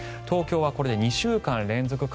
東京は、これで２週間連続